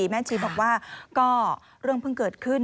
แม่ชีบอกว่าก็เรื่องเพิ่งเกิดขึ้น